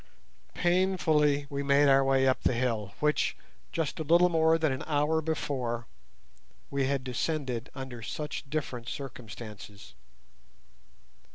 Painfully we made our way up the hill which, just a little more than an hour before, we had descended under such different circumstances.